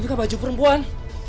hai itu baju perempuan